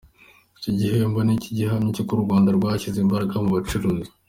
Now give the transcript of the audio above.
Iki gihembo ni ikindi gihamya cy’uko u Rwanda rwashyize imbaraga mu bucuruzi.